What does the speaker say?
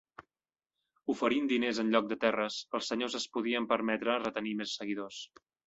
Oferint diners en lloc de terres, els senyors es podien permetre retenir més seguidors.